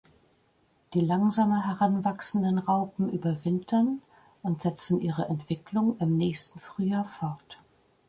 Die langsamer heranwachsenden Raupen überwintern und setzen ihre Entwicklung im nächsten Frühjahr fort.